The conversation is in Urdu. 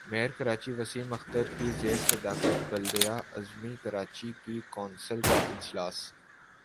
میئر کراچی وسیم اختر کی زیر صدارت بلدیہ عظمی کراچی کی کونسل کا اجلاس